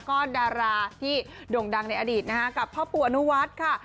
ก็ดาราที่โด่งดังในอดีตนะคะกับพ่อปู่อนุวัฒน์ค่ะ